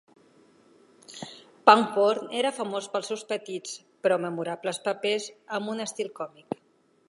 Pangborn era famós pels seus petits, però memorables papers, amb un estil còmic.